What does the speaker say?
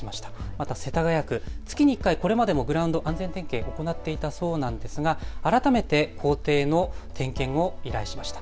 また世田谷区、月に１回これまでもグラウンド、安全点検を行っていたそうなんですが改めて校庭の点検を依頼しました。